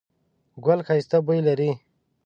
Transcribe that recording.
ګل ښایسته بوی لري